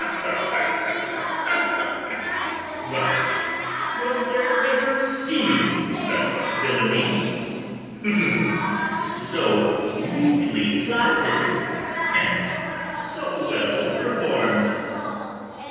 ITHAMORE. Why, was there ever seen such villany, So neatly plotted, and so well perform'd?